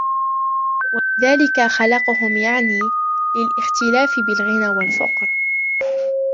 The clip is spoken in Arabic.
وَلِذَلِكَ خَلَقَهُمْ يَعْنِي لِلِاخْتِلَافِ بِالْغِنَى وَالْفَقْرِ